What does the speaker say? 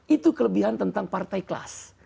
itu kelebihan tentang partai kelas